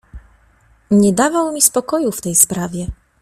"Nie dawał mi spokoju w tej sprawie."